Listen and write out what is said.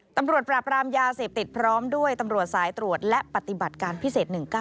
ตำรวจปราบรามยาเสพติดพร้อมด้วยตำรวจสายตรวจและปฏิบัติการพิเศษ๑๙